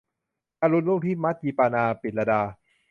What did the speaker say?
อรุณรุ่งที่มัสยิปานา - ปิ่นลดา